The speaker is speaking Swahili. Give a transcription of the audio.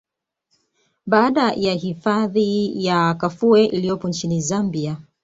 Baada ya hifadhi ya Kafue iliyopo nchini Zambia